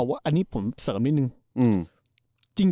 ว่าอันนี้ผมเสริมนิดนึง